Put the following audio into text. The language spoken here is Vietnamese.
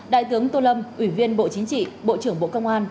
đại tướng tô lâm ủy viên bộ chính trị bộ trưởng bộ công an